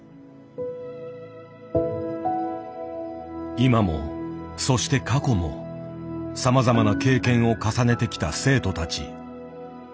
今もそして過去もさまざまな経験を重ねてきた生徒たち。